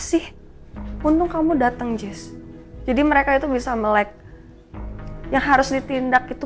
sih untung kamu datang jazz jadi mereka itu bisa melek yang harus ditindak itu